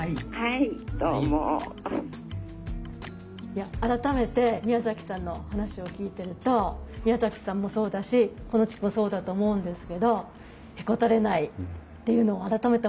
いや改めて宮さんの話を聞いてると宮さんもそうだしこの地区もそうだと思うんですけどへこたれないっていうのを改めて思いました。